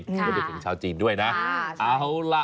แล้วก็เป็นวันสาดจีนด้วยนะ